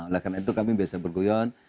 oleh karena itu kami biasa bergoyon